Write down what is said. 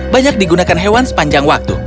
banyak digunakan hewan sepanjang waktu